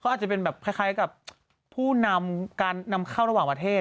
อาจจะเป็นแบบคล้ายกับผู้นำการนำเข้าระหว่างประเทศ